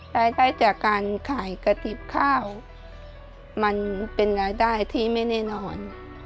รายได้จากการขายกระติบข้าวมันเป็นรายได้ที่ไม่แน่นอน